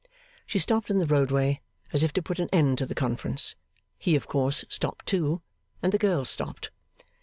She stopped in the roadway, as if to put an end to the conference. He of course stopped too. And the girl stopped.